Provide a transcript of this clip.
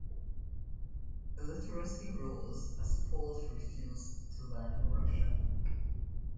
Illiteracy rose as Poles refused to learn Russian.